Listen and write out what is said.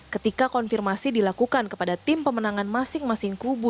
ketika konfirmasi dilakukan kepada tim pemenangan masing masing kubu